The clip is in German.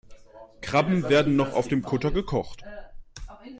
Krabben werden noch auf dem Kutter gekocht.